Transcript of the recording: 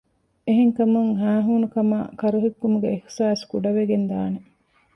އެހެންކަމުން ހައިހޫނުކަމާއި ކަރުހިއްކުމުގެ އިޙްސާސް ކުޑަވެގެންދާނެ